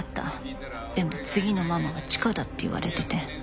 でも次のママはチカだって言われてて。